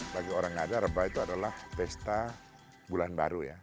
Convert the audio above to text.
bagi orang ngada rebah itu adalah pesta bulan baru ya